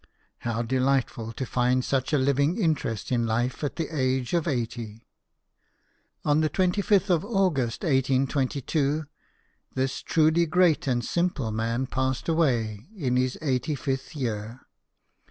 How delightful to find such a living interest in life at the age of eighty ! On the 25th of August, 1822, this truly great and simple man passed away, in his eighty fifth year.